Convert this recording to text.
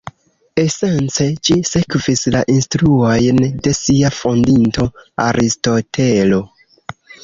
Esence, ĝi sekvis la instruojn de sia fondinto Aristotelo.